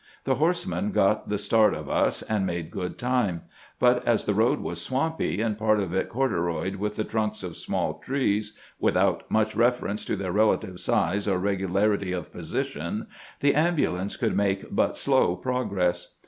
The horsemen got the start of us and made good time ; but as the road was swampy, and part of it corduroyed with the trunks of small trees, without much reference to their relative size or regu larity of position, the ambulance could make but slow progress.